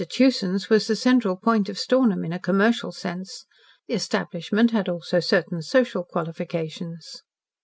Tewson's" was the central point of Stornham in a commercial sense. The establishment had also certain social qualifications.